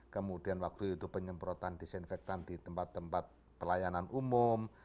kemudian waktu itu penyemprotan disinfektan di tempat tempat pelayanan umum